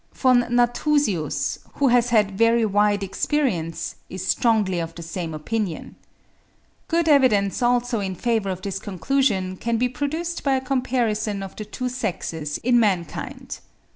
Von Nathusius, who has had very wide experience, is strongly of the same opinion. (22. 'Vorträge uber Viehzucht,' 1872, p. 63.) Good evidence also in favour of this conclusion can be produced by a comparison of the two sexes in mankind.